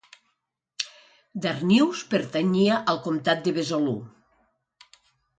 Darnius pertanyia al comtat de Besalú.